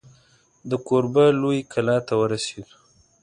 د کوربه لویې کلا ته ورسېدو.